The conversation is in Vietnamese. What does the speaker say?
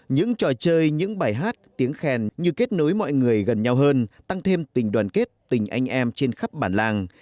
những trò chơi những bài hát tiếng khen như kết nối mọi người gần nhau hơn tăng thêm tình đoàn kết tình anh em trên khắp bản làng